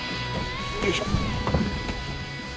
よいしょ。